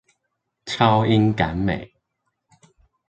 超英趕美